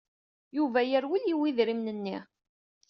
Yuba yerwel, yewwi idrimen-nni.